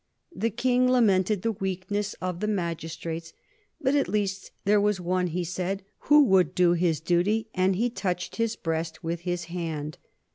The King lamented the weakness of the magistrates, but at least there was one, he said, who would do his duty, and he touched his breast with his hand.